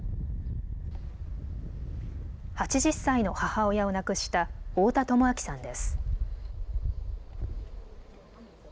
８０歳の母親を亡くした太田朋晃さんです。